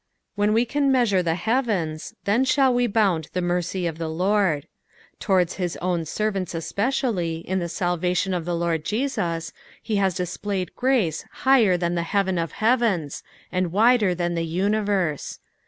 When we can measure the heavens, then shall we liound the mercy of the Lord. Towards his own servants especially, in the salvation of the Lord Jesus, he has displayed grace higher than the heaven of heavens, and wider than the universe.